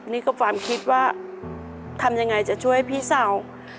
นี่ก็ความคิดว่าทำยังไงจะช่วยพี่สาว